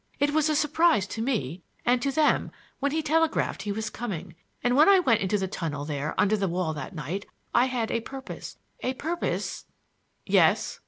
It was a surprise to me, and to them, when he telegraphed he was coming. And when I went into the tunnel there under the wall that night, I had a purpose—a purpose—" "Yes?"